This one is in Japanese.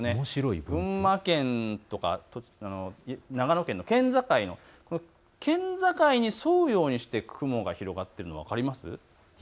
群馬県や長野県の県境、県境に沿うように雲が広がっているのが分かりますか。